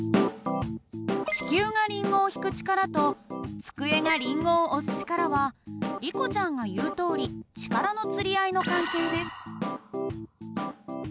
地球がリンゴを引く力と机がリンゴを押す力はリコちゃんが言うとおり力のつり合いの関係です。